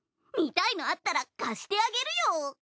見たいのあったら貸してあげるよ。